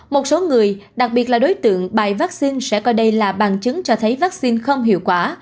một số người đặc biệt là đối tượng bài vaccine sẽ coi đây là bằng chứng cho thấy vaccine không hiệu quả